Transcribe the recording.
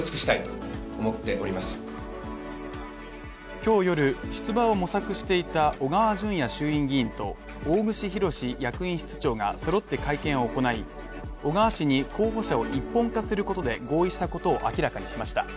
今日夜、出馬を模索していた小川淳也衆院議員と大串博志役員室長が揃って会見を行い、小川氏に候補者を一本化することで合意したことを明らかにしました。